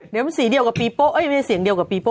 เดี๋ยวมันสีเดียวกับปีโป้เอ้ยไม่ใช่เสียงเดียวกับปีโป้